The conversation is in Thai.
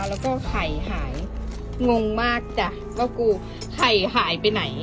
แล้วก็ไข่หายงงมากจ้ะว่ากูไข่หายไปไหน